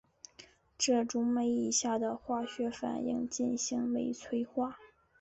这种酶以下的化学反应进行酶催化。